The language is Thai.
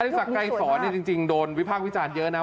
อธิษฐกรายศรนี่จริงโดนวิพากษ์วิจารณ์เยอะนะ